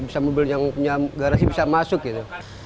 bisa mobil yang punya garasi bisa masuk gitu